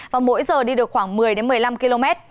và mỗi giờ đi được khoảng một mươi một mươi năm km